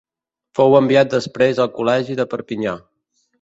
Fou enviat després al Col·legi de Perpinyà.